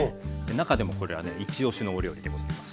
中でもこれはね一押しのお料理でございます。